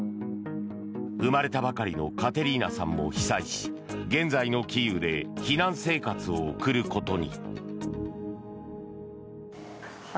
生まれたばかりのカテリーナさんも被災し現在のキーウで避難生活を送ることに。